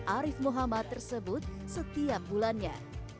mbah dalem arif muhammad tersebut setiap bulannya